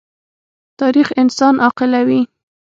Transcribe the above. تاریخ انسان عاقلوي.